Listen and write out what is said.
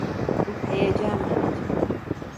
Bu heyecan verici.